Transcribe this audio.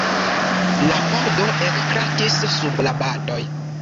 La pordo ekkrakis sub la batoj.